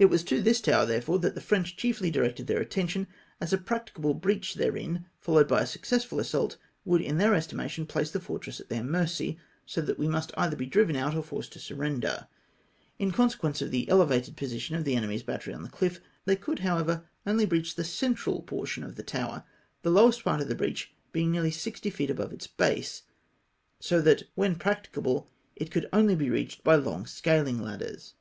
It was to this tower therefore that the French chiefly directed their attention, as a practicable breach therein, followed by a successful assault, would in theu' estima tion place the fortress at their mercy, so that we must either be driven out or forced to siu render. In con sequence of the elevated position of the enemy's bat tery on the chff, they could however only breach the central portion of the tower, the lowest part of the breach being nearly sixty feet above its base, so that when practicable, it could only be reached by long scaling ladders.